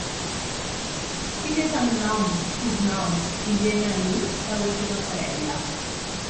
Quin és el nom, cognoms i de-ena-i de la seva parella?